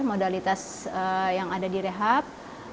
modalitas yang ada di rehab